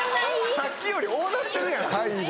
さっきより多なってるやん「はい」が。